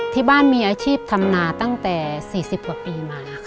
ที่บ้านมีอาชีพทำนาตั้งแต่๔๐กว่าปีมาค่ะ